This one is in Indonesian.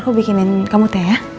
aku bikinin kamu teh ya